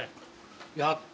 やった。